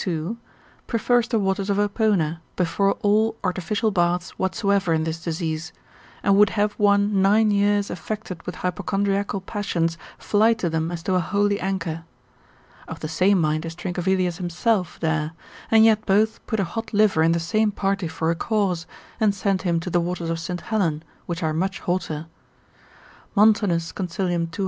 prefers the waters of Apona before all artificial baths whatsoever in this disease, and would have one nine years affected with hypochondriacal passions fly to them as to a holy anchor. Of the same mind is Trincavelius himself there, and yet both put a hot liver in the same party for a cause, and send him to the waters of St. Helen, which are much hotter. Montanus, consil. 230.